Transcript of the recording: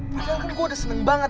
padahal kan gue udah seneng banget